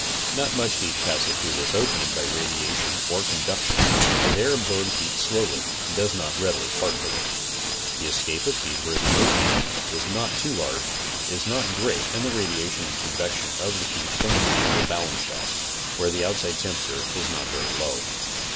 Not much heat passes through this opening by radia tion or conduction, as air absorbs heat slowly and does not readily part with it. The escape of heat where the opening is not too large, is not great and the radiation and convection of heat from the bees will balance that, where outside temperature is not very low.